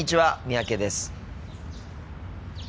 三宅です。